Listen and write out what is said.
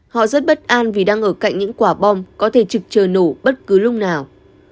họ rất bất an vì đang ở cạnh những quả bom có thể trực chờ nổ bất cứ lúc nào